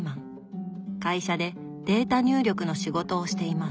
会社でデータ入力の仕事をしています。